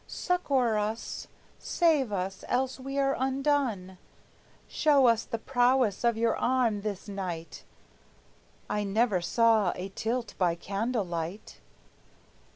Succor us, save us, else we are undone; Show us the prowess of your arm this night; I never saw a tilt by candle light!"